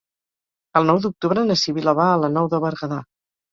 El nou d'octubre na Sibil·la va a la Nou de Berguedà.